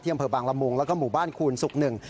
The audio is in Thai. เที่ยงเผอร์บางละมุงแล้วก็หมู่บ้านคูณสุกหนึ่ง